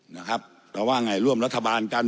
นะครับจะว่าอย่างไรร่วมรัฐบาลกัน